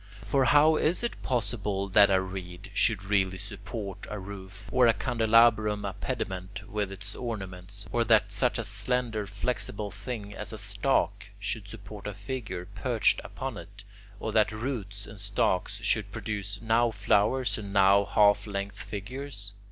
For how is it possible that a reed should really support a roof, or a candelabrum a pediment with its ornaments, or that such a slender, flexible thing as a stalk should support a figure perched upon it, or that roots and stalks should produce now flowers and now half length figures?